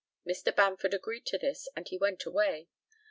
Mr. Bamford agreed to this, and he went away.